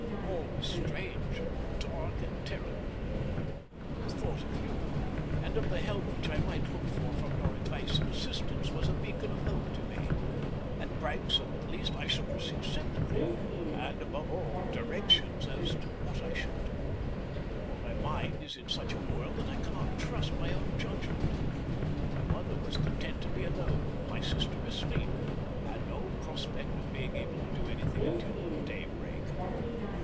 All was strange and dark and terrible. "The thought of you, and of the help which I might look for from your advice and assistance, was a beacon of hope to me. At Branksome, at least, I should receive sympathy, and, above all, directions as to what I should do, for my mind is in such a whirl that I cannot trust my own judgment. My mother was content to be alone, my sister asleep, and no prospect of being able to do anything until daybreak.